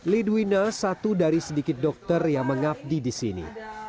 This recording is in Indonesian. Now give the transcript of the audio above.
lidwina satu dari sedikit dokter yang mengabdi di sini